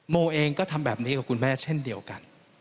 โมเองก็ทำแบบนี้กับคุณแม่เช่นเดียวกัน